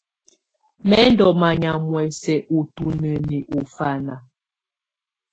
Mɛ̀ ndɔ̀ manyà muɛ̀sɛ̀ ù tunǝni ɔ ɔfana.